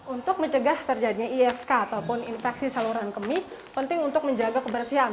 untuk mencegah terjadinya isk ataupun infeksi saluran kemih penting untuk menjaga kebersihan